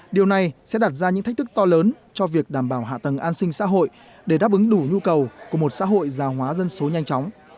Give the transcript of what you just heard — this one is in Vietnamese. điều này sẽ đặt ra những thách thức to lớn cho việc đảm bảo hạ tầng an sinh xã hội để đáp ứng đủ nhu cầu của một xã hội già hóa dân số nhanh chóng